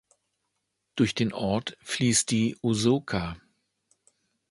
Durch den Ort fließt die "Osoka".